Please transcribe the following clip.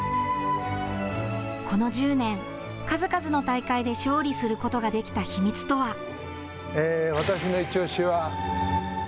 この１０年、数々の大会で勝利することができた秘密とは。